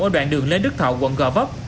ở đoạn đường lê đức thọ quận gò vấp